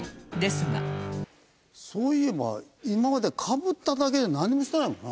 そういえば今まではかぶっただけで何もしてないもんな。